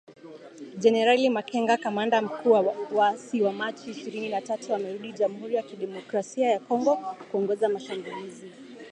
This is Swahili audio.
Jenerali Makenga kamanda mkuu wa waasi wa Machi ishirini na tatu amerudi Jamuhuri ya Kidemokrasia ya Kongo kuongoza mashambulizi